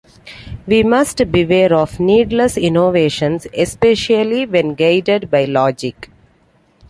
We must beware of needless innovations, especially when guided by logic.